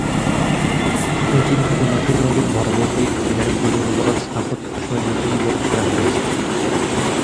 এটির গোলাপি রঙের ভবনটির পিলার গুলো রোমান স্থাপত্য শৈলীতে নির্মাণ করা হয়েছে।